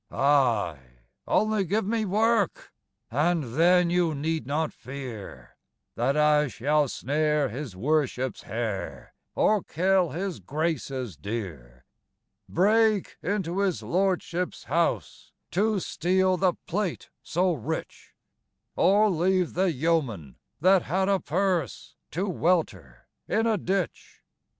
Ay, only give me work, And then you need not fear That I shall snare his Worship's hare, Or kill his Grace's deer; Break into his lordship's house, To steal the plate so rich; Or leave the yeoman that had a purse To welter in a ditch.